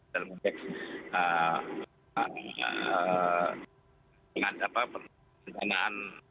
dengan apa perencanaan